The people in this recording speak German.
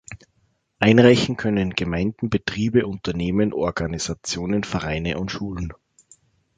Einreichen können Gemeinden, Betriebe, Unternehmen, Organisationen, Vereine und Schulen.